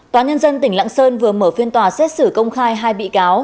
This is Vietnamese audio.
tòa nhân dân tỉnh lạng sơn vừa mở phiên tòa xét xử công khai hai bị cáo